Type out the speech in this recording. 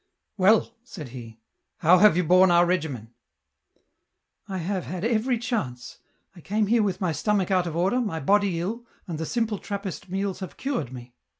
" Well," said he, " how have you borne our regimen ?"" I have had every chance ; I came here with my stomach out of order, my body ill, and the simple Trappist meals have cured me."